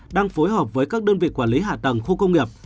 đang phối hợp với các đơn vị quản lý hạ tầng khu công nghiệp